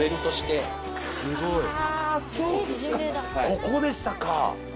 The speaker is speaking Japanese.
ここでしたか。